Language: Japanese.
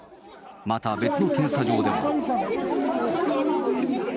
また、別の検査場でも。